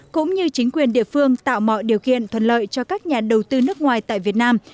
cũng như chính quyền địa phương tạo mọi điều kiện thuận lợi cho các nhà đầu tư nước ngoài tại việt nam